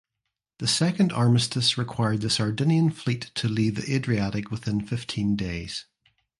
The second armistice required the Sardinian fleet to leave the Adriatic within fifteen days.